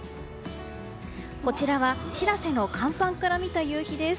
こちらは「しらせ」の甲板から見た夕日です。